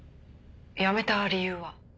辞めた理由は？